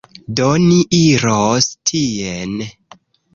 Do, ni iros tien